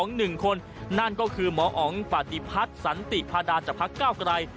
หนึ่งคนนั่นก็คือหมออ๋องปฏิพัฒน์สันติพาดาจากพักเก้าไกร